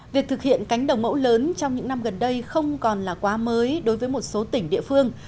việc thực hiện cánh đồng mẫu lớn trong những năm gần đây không còn là quá mới đối với một số tỉnh địa phương